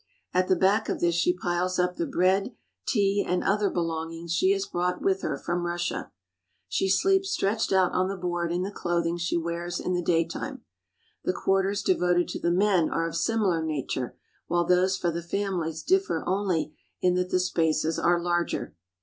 At the back of this she piles up the bread, tea, and other belongings she has brought with her from Russia. She sleeps stretched out on the board in the clothing she wears in the daytime. The quarters devoted to the men are of similar nature while those for the families differ only in that the spaces are larger.